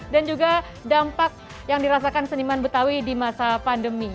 dan juga dampak yang dirasakan seniman betawi di masa pandemi